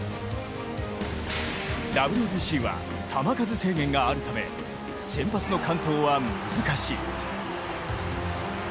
ＷＢＣは球数制限があるため先発の完投は難しい。